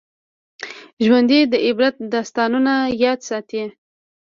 ژوندي د عبرت داستانونه یاد ساتي